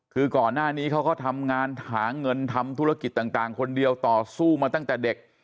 คือก่อนหน้านี้เขาก็ทำงานหาเงินทำธุรกิจต่างคนเดียวต่อสู้มาตั้งแต่เด็ก